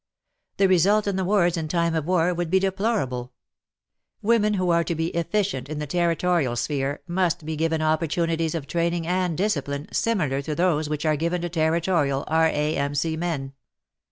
The result in the wards in time of war would be deplorable. Women who are to be efficient in the Terri torial sphere must be given opportunities of training and discipline similiar to those which are given to Territorial R.A.M.C. men.